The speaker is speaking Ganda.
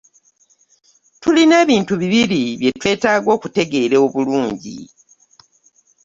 Tulina ebintu bibiri bye twetaaga okutegeera obulungi.